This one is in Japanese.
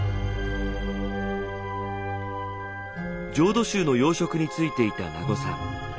浄土宗の要職に就いていた名護さん。